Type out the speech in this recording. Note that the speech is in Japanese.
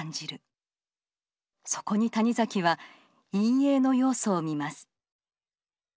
そこに谷崎は陰翳の要素を見ます。